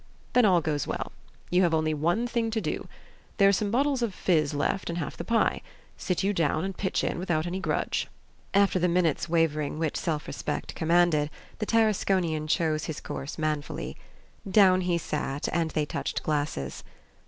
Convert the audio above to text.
Then all goes well. You have only one thing to do. There are some bottles of fizz left, and half the pie. Sit you down and pitch in without any grudge." After the minute's wavering which self respect commanded, the Tarasconian chose his course manfully. Down he sat, and they touched glasses.